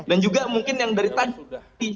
dan juga mungkin yang dari tadi